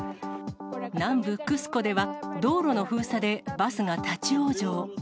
南部クスコでは、道路の封鎖でバスが立往生。